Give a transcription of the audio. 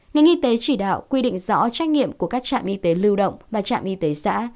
ngành y tế chỉ đạo quy định rõ trách nhiệm của các trạm y tế lưu động và trạm y tế xã